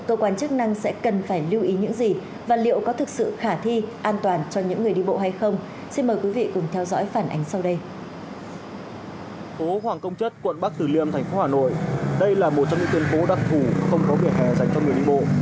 tổ quán chức năng sẽ cần phải lưu ý những gì